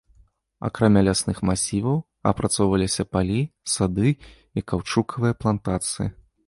Акрамя лясных масіваў апрацоўваліся палі, сады і каўчукавыя плантацыі.